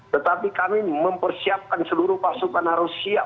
tetapi kami mempersiapkan seluruh pasukan harus siap